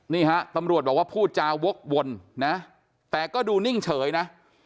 นี่ฮะตำรวจบอกว่าพูดจาวกวนนะแต่ก็ดูนิ่งเฉยนะ